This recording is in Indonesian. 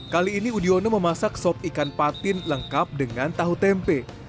kali ini udiono memasak sop ikan patin lengkap dengan tahu tempe